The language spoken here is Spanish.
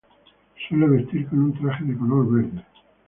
Suele vestir con un traje de color verde.